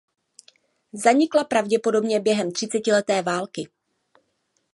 Zanikla pravděpodobně během třicetileté války.